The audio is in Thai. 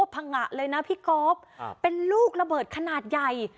พังงะเลยนะพี่ก๊อฟเป็นลูกระเบิดขนาดใหญ่